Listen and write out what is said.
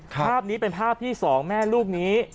ภาพนี้เป็นภาพที่๒แม่ลูกนี้